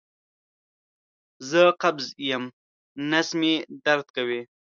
زه قبض یم نس مې درد کوي